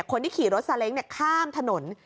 คนที่ขี่รถซาเล้งข้ามถนน